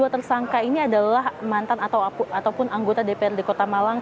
dua puluh dua tersangka ini adalah mantan atau anggota dprd kota malang